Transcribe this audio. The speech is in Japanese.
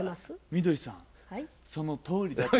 みどりさんそのとおりだと。